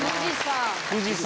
富士山！